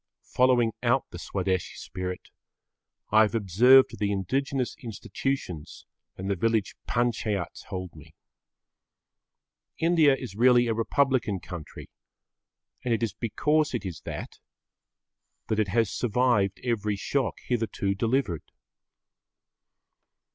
Following out the Swadeshi spirit, I observe the indigenous institutions and the village panchayats hold me. India is really[Pg 14] a republican country, and it is because it is that, that it has survived every shock hitherto delivered.